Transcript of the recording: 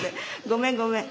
ごめんごめん。